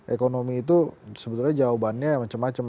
ekonomi itu sebetulnya jawabannya macam macam